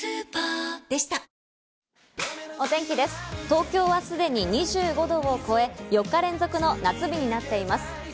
東京はすでに２５度を超え、４日連続の夏日となっています。